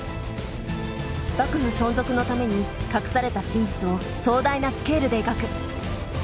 幕府存続のために隠された真実を壮大なスケールで描く。